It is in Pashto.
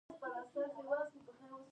نجلۍ له خدای نه وېرېږي.